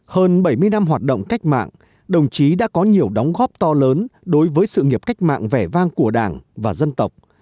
hơn bảy mươi năm hoạt động cách mạng đồng chí đã có nhiều đóng góp to lớn đối với sự nghiệp cách mạng vẻ vang của đảng và dân tộc